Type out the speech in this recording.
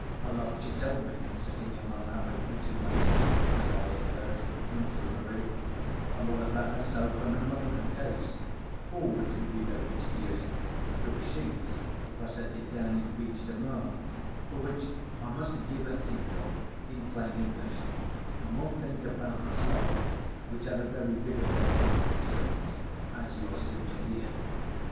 A lot she told me, sitting in my lap and eating my dish, as I ate hers, from foolery—a lot about herself and her mother and Case, all which would be very tedious, and fill sheets if I set it down in Beach de Mar, but which I must give a hint of in plain English, and one thing about myself which had a very big effect on my concerns, as you are soon to hear.